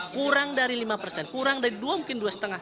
kurang dari lima persen kurang dari dua mungkin dua lima